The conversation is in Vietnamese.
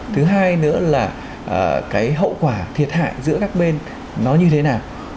thứ hai nữa là cái hậu quả thiệt hại giữa các bên nó như thế nào